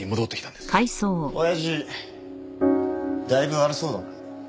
親父だいぶ悪そうだな。